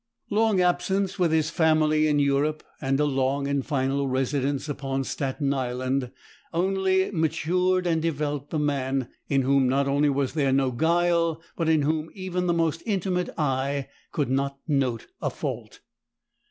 Long absence with his family in Europe, and a long and final residence upon Staten Island, only matured and developed the man, in whom not only was there no guile, but in whom even the most intimate eye could not note a fault.